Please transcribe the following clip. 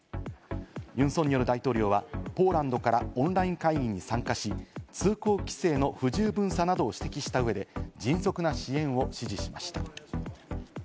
ユン・ソンニョル大統領はポーランドからオンライン会議に参加し、通行規制の不十分さなどを指摘した上で、迅速な支援を指示しました。